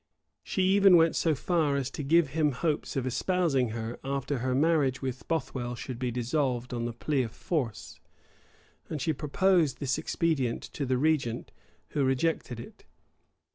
She even went so far as to give him hopes of espousing her, after her marriage with Bothwell should be dissolved on the plea of force; and she proposed this expedient to the regent, who rejected it.